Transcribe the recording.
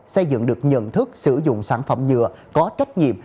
xây dựng được nhận thức sử dụng sản phẩm nhựa có trách nhiệm